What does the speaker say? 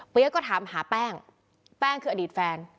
ก็ถามหาแป้งแป้งคืออดีตแฟน